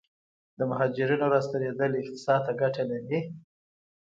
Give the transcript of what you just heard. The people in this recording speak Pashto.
د مهاجرینو راستنیدل اقتصاد ته ګټه لري؟